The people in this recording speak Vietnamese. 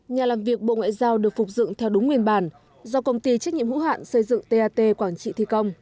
nhà làm việc bộ ngoại giao được phục dựng theo đúng nguyên bản do công ty trách nhiệm hữu hạn xây dựng tat quảng trị thi công